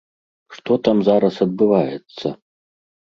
Што там зараз адбываецца?